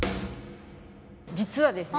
実はですね